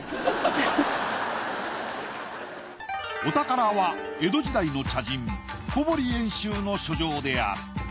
お宝は江戸時代の茶人小堀遠州の書状である。